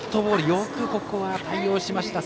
よくここは対応しました。